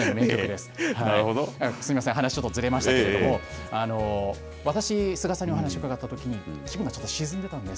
すみません、話ちょっとずれましたけれども、私、スガさんにお話を伺ったときに、気分がちょっと沈んでたんです。